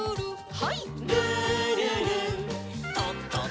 はい。